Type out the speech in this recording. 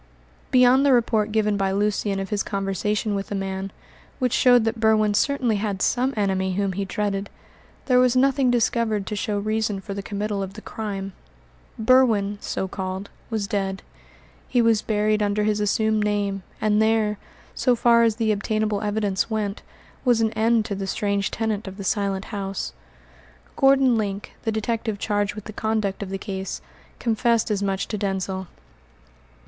Beyond the report given by Lucian of his conversation with the man, which showed that Berwin certainly had some enemy whom he dreaded, there was nothing discovered to show reason for the committal of the crime. Berwin so called was dead; he was buried under his assumed name, and there, so far as the obtainable evidence went, was an end to the strange tenant of the Silent House. Gordon Link, the detective charged with the conduct of the case, confessed as much to Denzil.